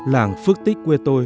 làng phước tích quê tôi